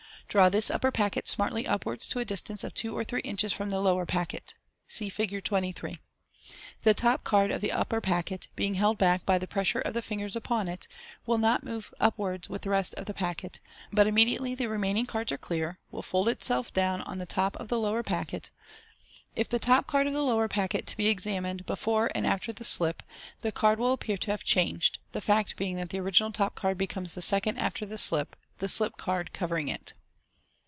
Draw this upper packet smartly upwards to a distance MODERN MAGIC. of two or three inches from the lower packet. (See Fig. 23.) The top card of the upper packet, being held back by the pressure of the fingers upon it, will not move upwards with the rest of th< packet 3 but immediately the remaining cards are clear, will fold /tself down on the top of the lower packet. If the top card of the lower packet be examined before and after the slip, the card will appear to have changed, the fact being that the original top card becomes the second after the slip, the slipped card covering it.